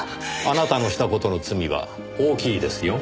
あなたのした事の罪は大きいですよ。